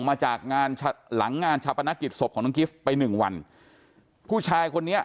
มาจากงานหลังงานชาปนกิจศพของน้องกิฟต์ไปหนึ่งวันผู้ชายคนนี้